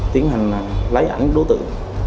tiến hành lấy ảnh đối tượng